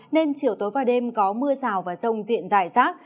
nên chiều tối và đêm có mưa rào và rông diện dài rác